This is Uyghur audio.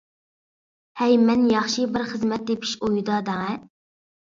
ھەي مەن ياخشى بىر خىزمەت تېپىش ئويىدا دەڭە!